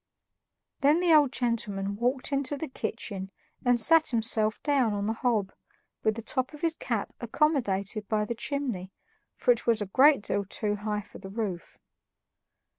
Then the old gentleman walked into the kitchen and sat himself down on the hob, with the top of his cap accommodated up the chimney, for it was a great deal too high for the roof.